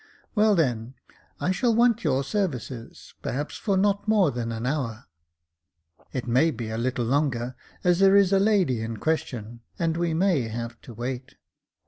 Well, then, I shall want your services, perhaps, for not more than an hour ; it may be a little longer, as there is a lady in question, and we may have to wait.